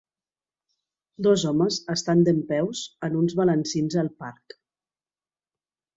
Dos homes estan dempeus en uns balancins al parc.